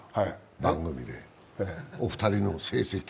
番組で、お二人の成績。